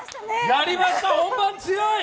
やりました、本番強い！